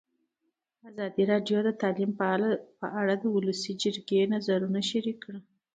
ازادي راډیو د تعلیم په اړه د ولسي جرګې نظرونه شریک کړي.